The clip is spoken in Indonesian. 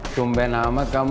sumbel amat kamu